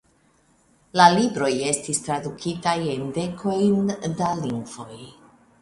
La libroj estis tradukitaj en dekojn da lingvoj.